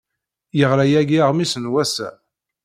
Yeɣra yagi aɣmis n wass-a.